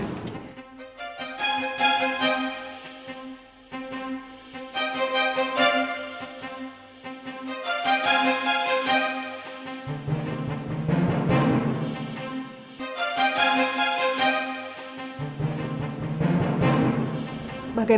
tunggu sebentar ya